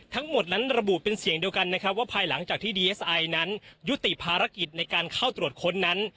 ทั้งหมดนั้นระบุเป็นเสียงเดียวกันนะครับว่าภายหลังจากที่ดีเอสไอนั้นยุติภารกิจในการเข้าตรวจค้นนั้น